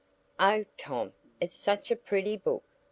"Oh, Tom, it's such a pretty book!"